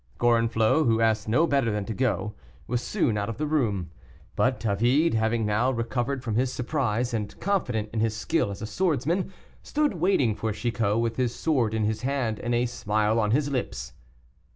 Gorenflot, who asked no better than to go, was soon out of the room; but David, having now recovered from his surprise, and confident in his skill as a swordsman, stood waiting for Chicot, with his sword in his hand and a smile on his lips.